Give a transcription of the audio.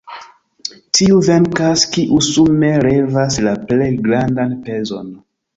Tiu venkas, kiu sume levas la plej grandan pezon.